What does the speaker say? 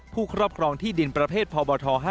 ครอบครองที่ดินประเภทพบท๕